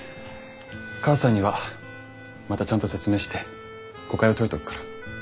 母さんにはまたちゃんと説明して誤解を解いておくから。